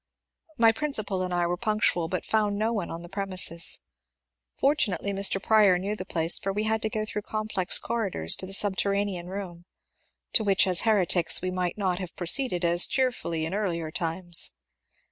My principal and I were punctual, but found no one on the premises. For tunately Mr. Prior knew the place, for we had to go through complex corridors to the subterranean room, — to which as heretics we might not have proceeded as cheerfully in earlier times.